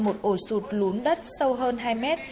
một ổ sụt lún đất sâu hơn hai mét